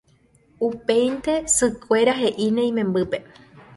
Upéinte sykuéra he'íne imembýpe